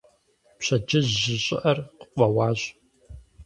Пщэдджыжь жьы щӀыӀэр къыкъуэуащ.